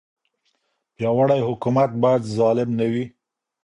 پیاوړی حکومت باید ظالم نه وي.